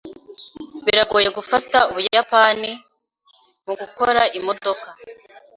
Biragoye gufata Ubuyapani mugukora imodoka.